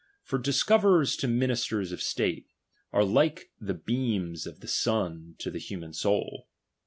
For discover ers to ministers of state, are like the beams of the sun to the human soul.